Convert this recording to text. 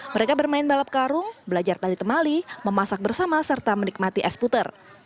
mereka bermain balap karung belajar tali temali memasak bersama serta menikmati es puter